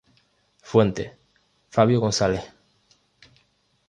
Fuente: Favio Gonzales.